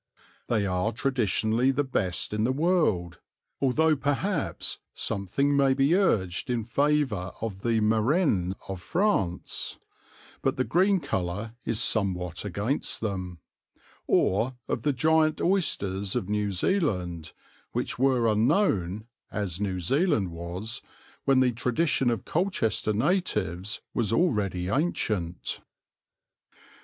They are traditionally the best in the world, although perhaps something may be urged in favour of the Marennes of France (but the green colour is somewhat against them), or of the giant oysters of New Zealand, which were unknown, as New Zealand was, when the tradition of Colchester natives was already ancient.